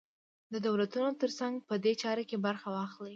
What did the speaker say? د دولتونو تر څنګ په دې چاره کې برخه واخلي.